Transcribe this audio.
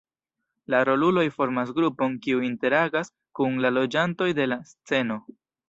La roluloj formas grupon kiu interagas kun la loĝantoj de la sceno.